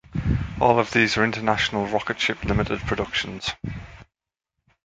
All of these are International Rocketship Limited Productions.